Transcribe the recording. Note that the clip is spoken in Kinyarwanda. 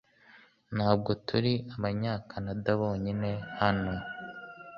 Ntabwo turi abanyakanada bonyine hano